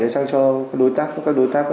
sang cho đối tác